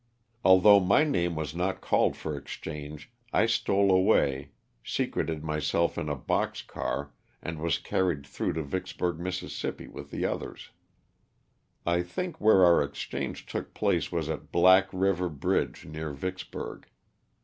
Although my name was not called for exchange, I stole away, secreted myself in a box car and was carried through to Vicks burg, Miss., with the others. I think where our ex change took place was at Black river bridge near Vicks burg.